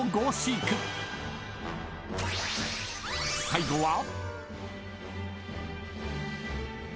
［最後は］